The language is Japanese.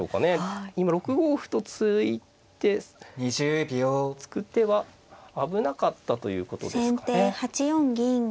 今６五歩と突いて突く手は危なかったということですかね。